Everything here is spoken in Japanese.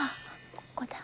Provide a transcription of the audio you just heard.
ここだ。